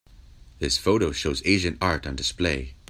This photo shows Asian art on display.